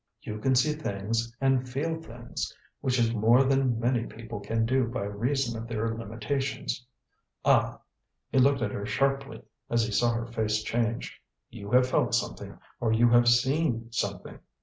"You can see things and feel things, which is more than many people can do by reason of their limitations. Ah!" he looked at her sharply, as he saw her face change. "You have felt something, or you have seen something."